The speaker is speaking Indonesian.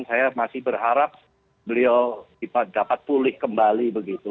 saya masih berharap beliau dapat pulih kembali begitu